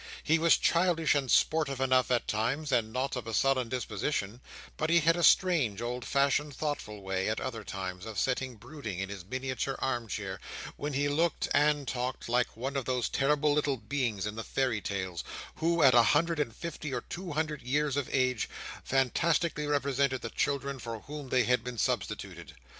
He was childish and sportive enough at times, and not of a sullen disposition; but he had a strange, old fashioned, thoughtful way, at other times, of sitting brooding in his miniature arm chair, when he looked (and talked) like one of those terrible little Beings in the Fairy tales, who, at a hundred and fifty or two hundred years of age, fantastically represent the children for whom they have been substituted.